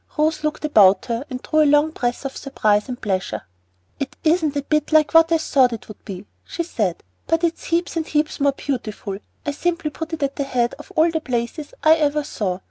Rose looked about her and drew a long breath of surprise and pleasure. "It isn't a bit like what I thought it would be," she said; "but it's heaps and heaps more beautiful. I simply put it at the head of all the places I ever saw."